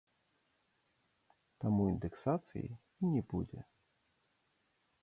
Таму індэксацыі і не будзе.